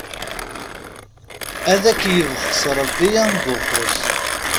Ad k-yebxes Ṛebbi am Buxus.